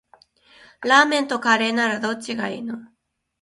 ラーメンとカレーならどっちがいいの？